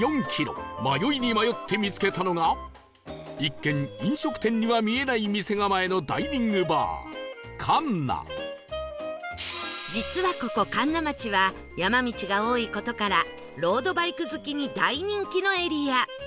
迷いに迷って見つけたのが一見飲食店には見えない店構えの実はここ神流町は山道が多い事からロードバイク好きに大人気のエリア